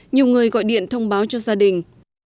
nhiều người gọi điện thông báo cho gia đình